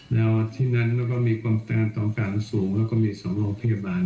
และที่นั่นก็มีความต้องการสูงและก็มีส่งโรงพยาบาล